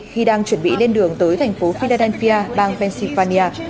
khi đang chuẩn bị lên đường tới thành phố philadelphia bang pennsylvania